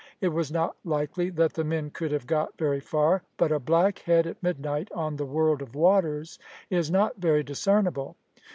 It was not likely that the men could have got very far; but a black head at midnight on the world of waters is not very discernible.